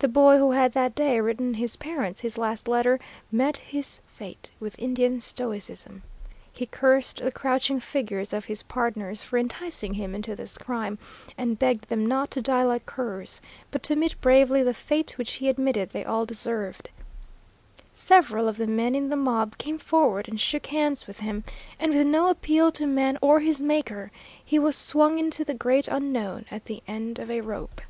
The boy who had that day written his parents his last letter met his fate with Indian stoicism. He cursed the crouching figures of his pardners for enticing him into this crime, and begged them not to die like curs, but to meet bravely the fate which he admitted they all deserved. Several of the men in the mob came forward and shook hands with him, and with no appeal to man or his Maker, he was swung into the great Unknown at the end of a rope.